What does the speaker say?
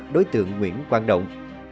đối tượng nguyễn quang động